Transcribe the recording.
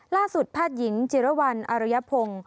ล่าสุดภาษาหญิงจิรวรรณอรยพงศ์